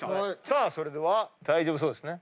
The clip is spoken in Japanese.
さあそれでは大丈夫そうですね。